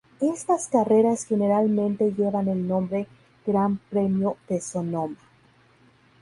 Estas carreras generalmente llevan el nombre "Gran Premio de Sonoma".